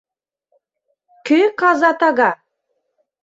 Кӧ каза тага?